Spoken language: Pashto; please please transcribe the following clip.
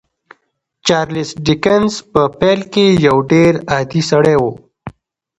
چارلیس ډیکنز په پیل کې یو ډېر عادي سړی و